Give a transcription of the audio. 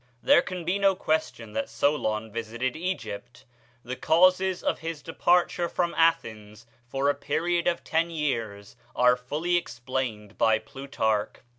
There can be no question that Solon visited Egypt. The causes of his departure from Athens, for a period of ten years, are fully explained by Plutarch.